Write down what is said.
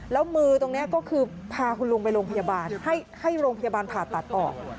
แล้วมือตรงนี้ก็คือพาคุณลุงไปโรงพยาบาลให้โรงพยาบาลผ่าตัดออก